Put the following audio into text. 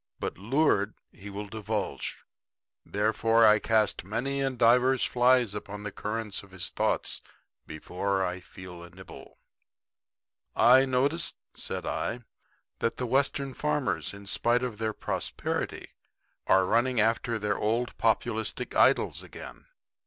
But lured, he will divulge. Therefore I cast many and divers flies upon the current of his thoughts before I feel a nibble. "I notice," said I, "that the Western farmers, in spite of their prosperity, are running after their old populistic idols again."